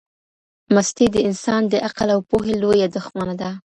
مستی د انسان د عقل او پوهي لویه دښمنه ده.